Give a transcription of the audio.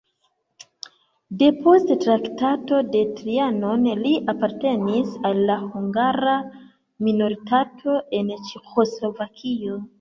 Depost Traktato de Trianon li apartenis al la hungara minoritato en Ĉeĥoslovakio.